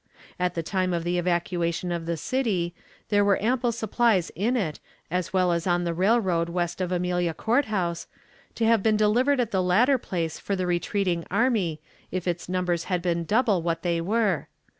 ... At the time of the evacuation of the city, there were ample supplies in it, as well as on the railroad west of Amelia Court House, to have been delivered at the latter place for the retreating army, if its numbers had been double what they were.